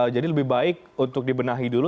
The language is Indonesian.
jadi lebih baik untuk dibenahi dulu